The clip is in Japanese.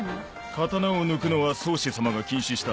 刀を抜くのは宗師様が禁止した。